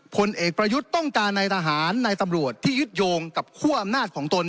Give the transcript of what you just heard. ผลเอกประยุทธ์ต้องการในทหารในตำรวจที่ยึดโยงกับคั่วอำนาจของตน